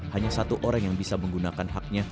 hanya satu orang yang bisa menggunakan haknya